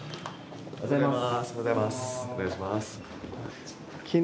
おはようございます。